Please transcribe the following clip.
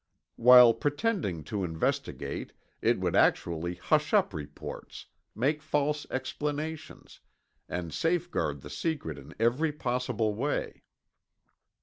While pretending to investigate, it would actually hush up reports, make false explanations, and safeguard the secret in every possible way.